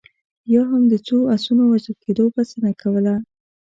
یا هم د څو اسونو وژل کېدو بسنه کوله.